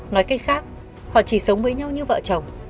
nói cách khác họ chỉ sống với nhau như vợ chồng